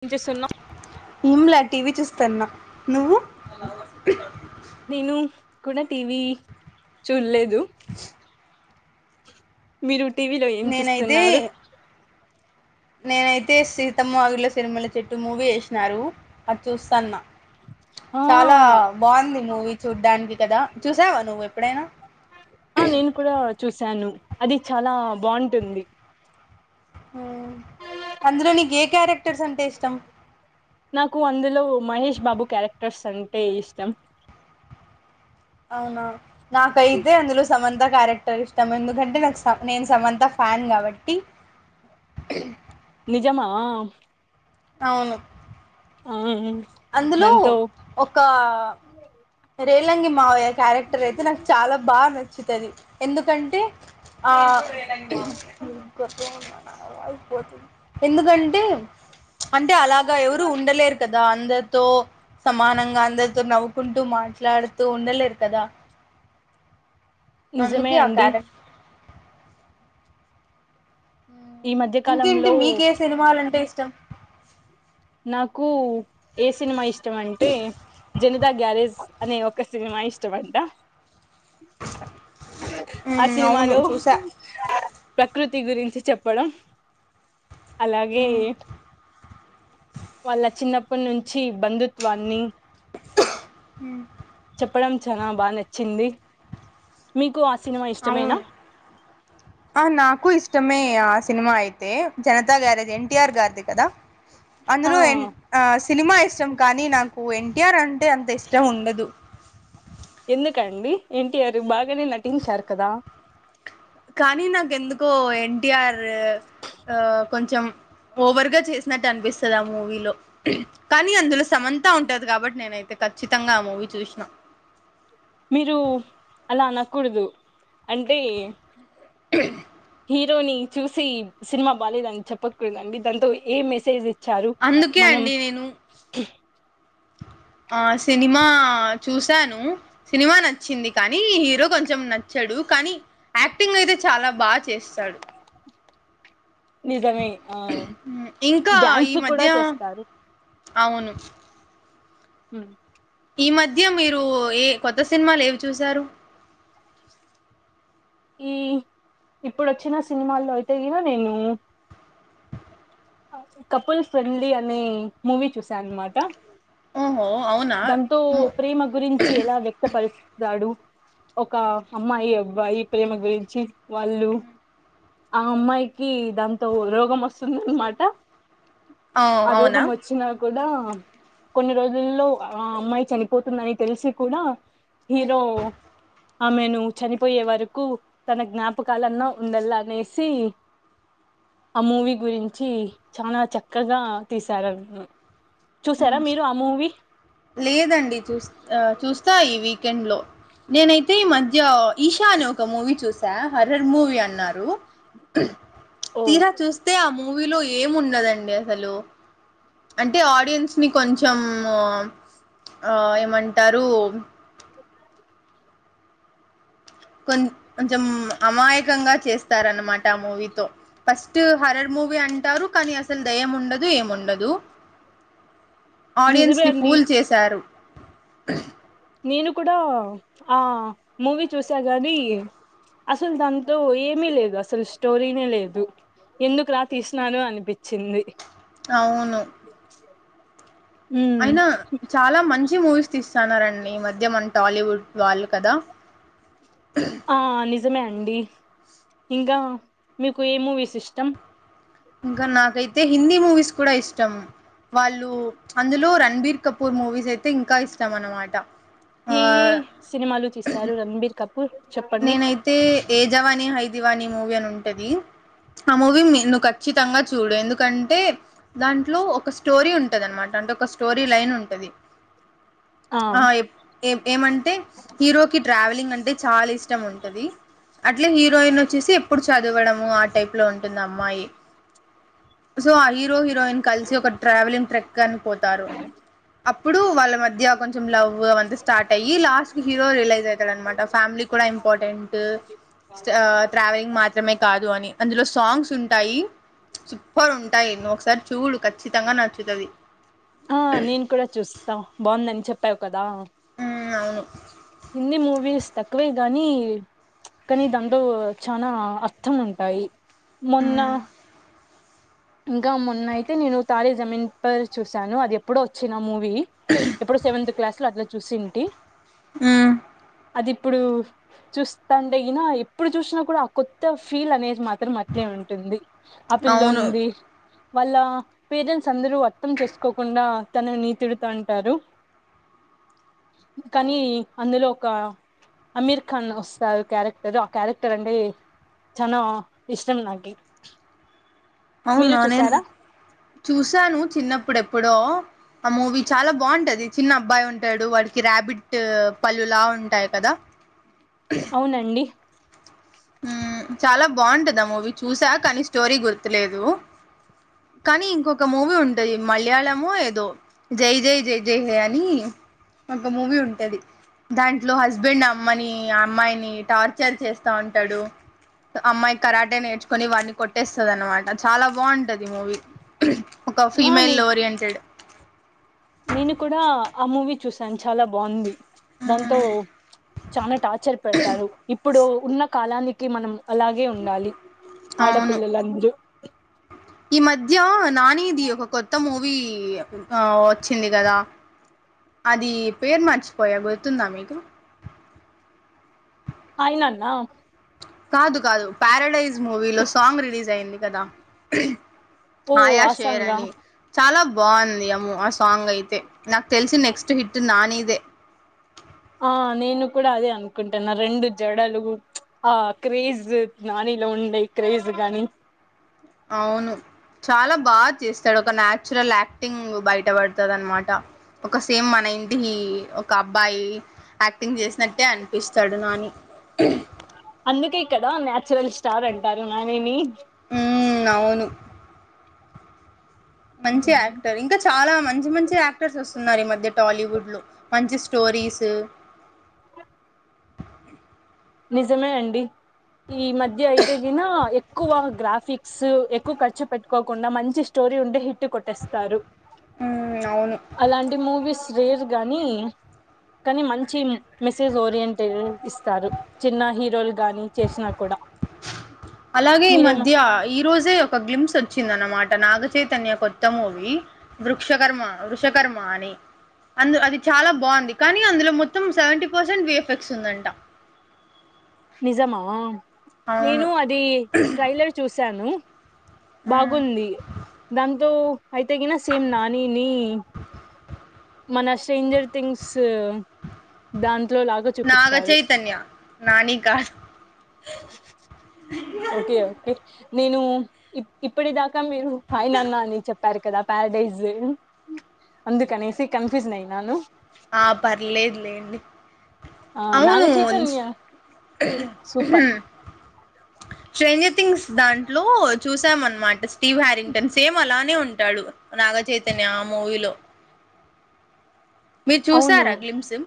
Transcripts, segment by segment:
కొంచ సన్నాం ఏంలా టీవీ చూస్తాన్న నువ్వు నేను కూడా టీవీ చూడలేదు మీరు టీవీలో ఏం నేనైతే చూస్తున్నారు నేనైతే సీతమ్మ వాకిట్లో సిరిమల్లె చెట్టు మూవీ వేసినారు అది చూస్తా అన్న ఆ చాలా బాగుంది మూవీ చూడ్డానికి కదా చూసావా నువ్వు ఎప్పుడైనా ఆ నేను కూడా చూసాను అది చాలా బాగుంటుంది అందులో నీకు ఏ క్యారెక్టర్స్ అంటే ఇష్టం నాకు అందులో మహేష్ బాబు క్యారెక్టర్స్ అంటే ఇష్టం అవునా నాకైతే అందులో సమంత క్యారెక్టర్ ఇష్టం ఎందుకంటే నాకు స నేను సమంత ఫ్యాన్ కాబట్టి నిజమావా అవును అందులో దాంతో ఒక రేలంగి మావయ క్యారెక్టర్ ర్ అయితే నాకు చాలా బాగా నచ్చుతుది ఎందుకంటే ఆ అయిపోతుంది ఎందుకంటే అంటే అలాగగా ఎవరు ఉండలేరు కదా అంద తో సమానంగా అందరితో నవ్వుకుంటూ మాట్లాడుతూ ఉండలేరు కదా నిజమే అందుకె ఆ అండి క్యారే ఈ మధ్య ఇంకేంటి కాలంలో మీకే సినిమాలు అంటే ఇస్ట త్తం నాకు ఏ సినిమా ఇష్టం అంటే జనితా గ్యారేజ్ అనే ఒక సినిమా ఇష్టం అంట ఆ అవును సినిమాలో చూసా ప్రకృతి తి గురించి చెప్పడం అలాగే వాళ్ళ చిన్నప్పటి నుంచి బంధుత్వాన్ని హ్మ్మ్ చెప్పడం చానా బాగా నచ్చింది మీకు సినిమా ఇష్టమేనా అవును ఆ నాకు ఇష్టమే సినిమా అయితే జనతా గ్యారేజ్ ఎన్టీఆర్ గారిది కదా ఆ అందులో ఎన్ అ సినిమా ఇష్టం కానీ నాకు ఎన్టీఆర్ అంటే అంత ఇష్టం ఉండదు ఎందుకండి ఎన్టీఆర్ బాగానే నటించారు కదా కానీ నాకెందుకో ఎన్టీఆర్ ఆ కొంచెం ఓవర్గా చేసినట్టు అనిపిస్తుంది ఆ మూవీలో కానీ అందులో సమంత ఉంటంది కాబట్టి నేనైతే ఖచ్చితంగా ఆ మూవీ చూసినా మీరు అలా అనకూడదు అంటే హీరోని చూసి సినిమా బాలేదని చెప్పకూడదండి దాంతో ఏ మెసేజ్ చ్చారు అందుకే మనం అండి నేను ఆ సినిమా చూసాను సినిమా నచ్చింది కానీ హీరో కొంచెం నచ్చ నచ్చాడు కానీ యాక్టింగ్ అయితే చాలా బాగా చేసేసాడు నిజమే ఆ ఇంకా ఈ డ్యాన్స్ కూడా మధ్య చేస్తారు అవును హ్మ్ ఈ మధ్య మీరు ఏ కొత్త సినిమాలు ఏవి చూశారు ఈ ఇప్పుడు వచ్చిన సినిమాల్లో అయితే నేను కపుల్ ఫ్రెండ్లీ అనే మూవీ చూసా అన్నమాట ఓహో అవునా దాంతో ము ప్రేమ గురించి ఎలా వ్యక్తపరుస్తాడు ఒక అమ్మాయి అబ్బాయి ప్రేమ గురించి వాళ్ళు ఆ అమ్మాయికి దాంతో రోగం వస్తుందన్నమా ట ఆ రోగం వచ్చినా కూడా అమ్ కొన్ని రోజుల్లో ఆ అమ్మాయి చనిపోతుందని తెలిసి కూడా హీరో ఆమెను చనిపోయే వరకు తన జ్ఞాపకాలన్నా ఉండల్లా అనేసి, ఆ మూవీ గురించి చాలా చక్కగా తీసారు అను ఉమ్ లేదండి చూస్ ఆ చూస్తా ఈ వీక్ కం లో నేనైతే ఈ మధ్య ఈషా అని ఒక మూవీ చూస్ తా హర్రర్ మూవీ అన్నారు ఓ తీరా చూస్తే ఆ మూ మూవీలో ఏం ఉండదండి అసలు అంటే ఆడియన్స్ ని కొంచెం ఆ ఏమంటారు కొం కొంచం అమాయకంగా చేస్తారన్నమాట ఆ మూవీతో పస్ ట్ హర్రర్ మూవీ అంటారు కానీ అసలు దెయ్యం ఉండదు ఏముండదు ఆడియన్స్ నిజమే ని అండి ఫూల్ చేశారు నేను కూడా ఆ మూవీ చూసా కానీ అసలు దాంతో ఏమీ లేదు అసలు స్టోరీనే లేదు ఎందుకు రా తీసినాను అనిపించింది అవును ఉమ్ అయినా చాలా మంచి మూవీస్ తీస్తున్నారండి ఈ మధ్య మన టాలీవుడ్ వాళ్ళు కదా ఆ నిజ జమే అండి ఇంకా మీకు ఏ మూవీస్ ఇష్టం ఇంకా నాకైతే హిందీ మూవీస్ కూడా ఇష్టం వాళ్ళు అందులో రణబీర్ కపూర్ మూవీస్ అయితే ఇంకా ఇష్టం అనమాట ఏయి సినిమాలు తీశారు రంబీర్ కపూ నేనైతే యజవానీ హైదివానీ మూవీ అని ఉంటది ఆ మూవీ నిన్న ఖచ్చితంగా చూడు ఎందుకంటే దాంట్లో ఒక స్టోరీ ఉం ఉంటది అనమాట అంటే ఒక స్టోరీ లైన్ ఉంటది ఆ ఏ ఏమంటే హీరో కి ట్రావెలింగ్ అంటే చాలా ఇష్ కొంచెం ఉంటది అట్లే హీరోయిన్ వచ్చేసి ఎప్పుడు చదవడము ఆ టైప్ లో ఉంటుంది అమ్మాయి సో ఆ హీరోయిన్ హీరోయిన్ కలిసి ఒక ట్రావెలింగ్ ట్రెక్ అని పోతారు అప్పుడు వాళ్ళ మధ్య కొం లవ్ వంత స్టార్ట్ అయి లాస్ట్ కి హీరో రిలైజ్ అవుతాడ అనమాట ఫ్యామిలీ కూడా ఇంపార్టెంట్ ట్రావెలింగ్ మాత్రమే కాదు అని అందులో సాంగ్స్ ఉంటాయి. సూప్పర్ ఉంటాయి ఒకసారి చూడు ఖచ్చితంగా నచ్చుతది. ఆ తేవ్ కదా మ్మ్ అవును ఇన్ని మూవీస్ తక్కువే గానీ ఉచ్ కానీ దాంట్లో చానా అర్థం ఉంటాయి. మొన్న మ్మ్ ఇంకా మొన్న అయితే నేను తాడే జమీన్ పర్ చూసాను అది ఎప్పుడో వచ్చిన మూ వీ ఎప్పుడో సెవెంత్ క్లాస్ లో అట్ల చూసింటి హ్మ్ అది ఇప్పుడు చూస్తంటే గినా ఇప్పుడు చూసినా కూడా ఆ కొత్త ఫీల్ అనేది మాత్రం అట్లే ఉంటుంది. ఆ పిల్ల అవును ఉంది వాళ్ళ పేరెంట్స్ అందరూ అర్థం చేసుకోకుండా తనని తిడుతా ఉంటారు, కానీ అందులో ఒక అమీర్ ఖాన్ వస్సారు క్యారెక్టర్ ఆ క్యారెక్టర్ అంటే చానా ఇష్టం నాకి. మీరు అవునా నేన్ చూసారా చూసాను చిన్నప్పుడు ఎప్పుడో ఆ మూవీ చాలా బాగుంటది. చిన్న అబ్బాయి ఉంటాడు వాడికి ర్యాబిట్ పల్లులా ఉంటాయి కదా. అవునండి హ్మ్ చాలా బాగుంటది ఆ మూవీ చూసా కానీ స్టోరీ గుర్తులేదు, కానీ ఇంకొక మూవీ ఉంటది మలయాళమో ఏదో జై జయ జయ జయహే అని ఒక మూవీ ఉంటది దాంట్లో హస్బెండ్ అమ్మని అమ్మాయిని టార్చర్ చేస్తా ఉం తడు అమ్మాయి కరాటే నేర్చు కొని వాడిని కొట్టేస్తది అనమాట చాలా బాగుంటది మూవీ ఒక ఆ ఫీమేల్ నే ఓరియంటెడ్ నేను కూడా ఆ మూవీ చూస్తా చాలా బాగుంది దాంతో చాలా టార్చర్ పెడతారు ఇప్పుడు ఉన్న కాలానికి మనం అలాగే ఉండాలి అవును ఆడపిల్లలందరూ ఈ మధ్య నానిది ఒక కొత్త మూవీ వచ్చింది కదా అది పేరు మర్చిపోయా గుర్తుందా మీకు ఆ ఇనన్నా [unintelligible] కాదు కాదు ప్యారడైజ్ మూవీలో సాంగ్ రిలీజ్ అయింది కదా ఓ ఆయా షేర్ ఆసంగా అని చాలా బాగుంది అమ ఆ సాంగ్ అయితే నాకు తెలిసి నెక్స్ట్ హిట్ నానిదే ఆ నేను కూడా అదే అనుకుంటున్న రెండు జడలు ఆ క్రేజ్ నానిలో ఉండే క్రేజ్ గాని అవును చాలా బాగా చేస్తాడు. ఒక న్యాచురల్ యాక్టింగ్ బయట పడుతది అనమాట. ఒక సేమ్ మన ఇంటి ఒక అబ్బాయి యాక్టింగ్ చేసినట్టే అని అనిపిస్తాడు నాని అందుకే కదా న్యాచురల్ స్టార్ అంటారు నాని ని ఉ అవును మంచి యాక్టర్ ఇంకా చాలా మంచి మంచి యాక్టర్స్ వస్తు ఈ మధ్య టాలీవుడ్ లో మంచి స్టోరీస్ నిజమే అండి ఈ మధ్య యితే గిన ఎ ఎక్కువ గ్రాఫిక్స్ ఎక్కువ ఖర్చు పెట్టుకోకుండా మంచి స్టోరీ ఉండే హిట్ కొట్టేస్తారు ఉమ్ అవును అలాంటి మూవీస్ క్రేజ్ గాని కానీ మంచి మెసేజ్ ఓరియంట్ ఇస్తారు చిన్న హీరోలు గాని చేసినా కూడా అలాగే ఈ మీరేమ మధ్య ఈ రోజే ఒక గ్లింప్స్ వచ్చింది అన్నమాట నాగచైతన్య కొత్త మూవీ వృక్షకర్మ వృషకర్మ అని అందు అది చాలా బాగుంది కానీ అందులో మొత్తం seventy percent V F X ఉందంట నిజమా అవును నేను అది ట్రైలర్ చూశాను మ్, బాగుంది దాంతో అయితేగినా సేమ్ నానిని మన స్ట్రేంజర్ థింగ్స్ దాంతో నాగచైతన్య నాని కాదు ఓకే ఓకే నేను ఇ ఇప్పుడి దాకా మీరు హాయ్ నాన్న అని చెప్పారు కదా ప్యారడైస్ అందు కనేసి కన్ఫ్యూజన్ అయినాను ఆ పర్లేదు లేండి ఆ అవును నాగచైతన్య సూపర్ శ్రంజిత్ థింగ్స్ దాంట్లో చూసాం అనమాట స్టీవ్ హారింగ్టన్ సేమ్ అలానే ఉన్ ఉంటాడు నాగచైతన్య ఆ మూవీలో మీరు అవును చూసారా గ్లిమ్స్మ్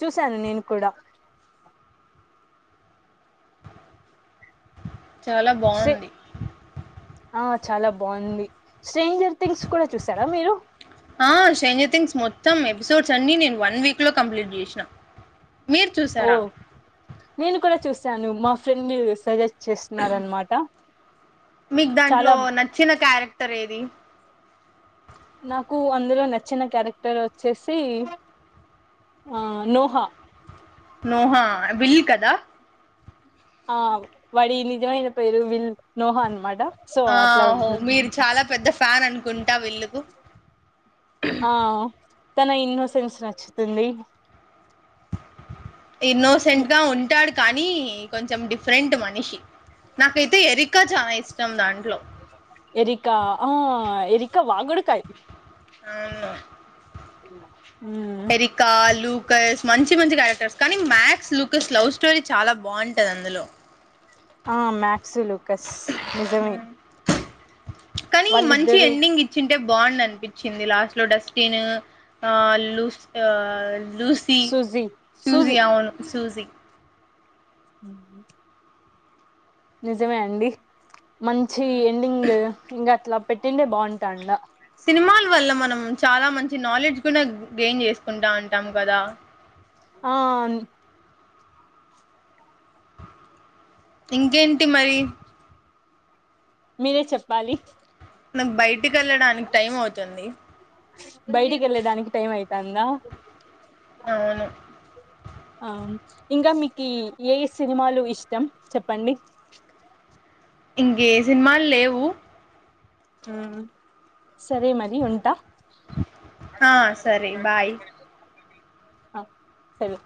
చూశాను నేను కూడా చాలా స్ట్రే బాగుంది ఆ చాలా బాగుంది స్ట్రేంజర్ థింగ్స్ కూడా చూసారా మీరు తం ఎపిసోడ్స్ అన్ని నేను వన్ వీక్ లో కంప్లీట్ చేసినా ఓ నేను కూడా చూస్ సాను మా ఫ్రెండ్ సజెస్ చేస్తున్నారనమాట మీకు చాలా దాంట్లో నచ్చిన క్యారెక్ టర్ ఏది నాకు అందులో నచ్చిన క్యారెక్టర్ వచ్చేసి ఆ నోహా నోహా విల్ కదా ఆ వాడి నిజమైన పేరు విల్ నోహా అనమాట సో అట్లా ఆహో గుర్తు మీరు చాలా పెద్ద ఫ్యాన్ అనుకున్ ట విల్ కు ఆ తన ఇన్నో సెన్స్ నచ్చుతుంది ఇన్నోసెంట్ గా ఉంటాడు కానీ కొంచెం డిఫరెంట్ మనిషి నాకైతే ఎరికా చానా ఇష్టం దాంట్లో ఇకా వాగుడుకాయి అవును ఉమ్ ఎరికా, లూకస్ మంచి మంచి క్యారెక్టర్స్ కానీ మ్యాక్స్ లూకస్ లవ్ స్టోరీ చాలా బాగుంటుంది అందులో ఆ మ్యా సు లుకస్ నిజమే కానీ మంచి వాళ్ళిద్దరు ఎండింగ్ ఇచ్చిన్ అంటే బాండ్ అనిపించింది లాస్ట్ లో డస్ట్బిన్ ఆ లూస్ లూసి సూజీ అవును సూజీ మ్మ్ నిజమే అండి మంచి ఎండింగ్ ఇంగ అట్లా పెట్టింటే బాగుంటాండా సినిమాల వల్ల మనం చాలా మంచి నాలెడ్జ్ కూడా గెయిన్ చేసుకుంటా ఉంటాం కదా ఆ ఇంకేంటి మరి మీరే చెప్పాలి నాకు బయటికి వెళ్ళడానికి టైం అవుతుంది బయటికి వెళ్ళదానికి టైం అయితాందా అవును ఇంకా మీకు ఏ సినిమాలు ఇష్టం చెప్పండి ఇంకే సినిమాలు లేవు హ సరే మరి ఉంటా ఆ సరే బాయ్ ఆ సరే